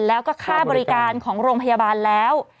แล้วก็ค่าบริการของโรงพยาบาลแล้ว